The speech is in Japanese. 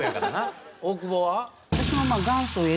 大久保は？